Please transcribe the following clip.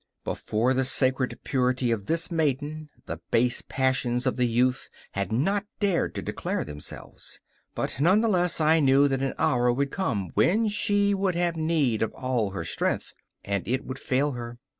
Before the sacred purity of this maiden the base passions of the youth had not dared to declare themselves. But none the less I knew that an hour would come when she would have need of all her strength, and it would fail her.